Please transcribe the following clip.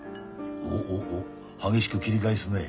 おっおっおっ激しく切り返すね。